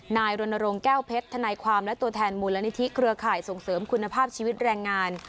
รณรงค์แก้วเพชรทนายความและตัวแทนมูลนิธิเครือข่ายส่งเสริมคุณภาพชีวิตแรงงาน